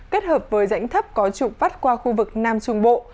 kết hợp với rãnh thấp có trục vắt qua khu vực nam trung bộ